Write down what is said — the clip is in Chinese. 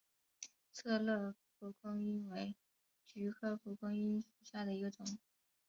策勒蒲公英为菊科蒲公英属下的一个种。